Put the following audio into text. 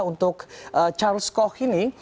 untuk charles koch ini